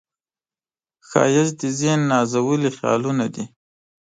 ښایست د ذهن نازولي خیالونه دي